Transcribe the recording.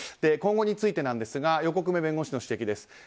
今後についてですが横粂弁護士の指摘です。